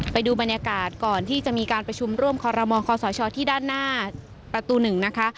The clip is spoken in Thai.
ไปดูบรรยากาศก่อนที่จะมีการประชุมร่วมคอรมอคอสชที่ด้านหน้าประตู๑นะคะ